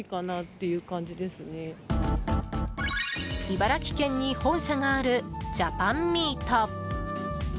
茨城県に本社があるジャパンミート。